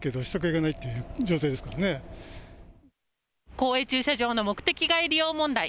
公営駐車場の目的外利用問題。